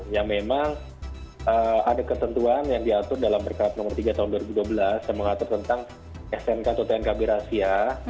yang memang ada ketentuan yang diatur dalam berkap nomor tiga tahun dua ribu dua belas yang mengatur tentang snk atau tnkb rahasia